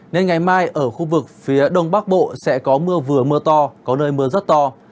nên ngày mai ở khu vực phía đông bắc bộ sẽ có mưa vừa mưa to có nơi mưa rất to